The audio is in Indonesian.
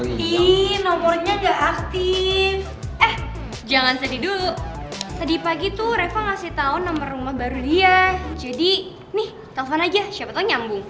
ini nomornya gak aktif eh jangan sedih dulu sedih pagi tuh reva ngasih tahu nomor rumah baru dia jadi nih telpon aja siapa tau nyambung